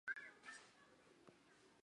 妻子是日本著名柔道运动员谷亮子。